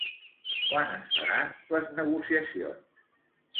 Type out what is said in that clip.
Quan es faran les negociacions?